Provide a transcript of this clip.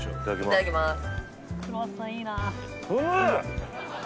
いただきます